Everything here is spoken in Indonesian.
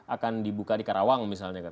akan dibuka di karawang misalnya